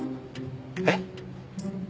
えっ？